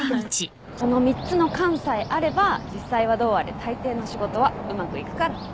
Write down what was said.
この３つの「感」さえあれば実際はどうあれたいていの仕事はうまくいくから。